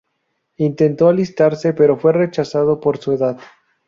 Intentó alistarse, pero fue rechazado por su edad.